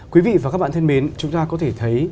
quý vị và các bạn thân mến chúng ta có thể thấy